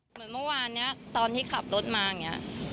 เหมือนเมื่อวานนี้ตอนที่ขับรถมาอย่างนี้